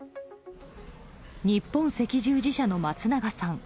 日本赤十字社の松永さん。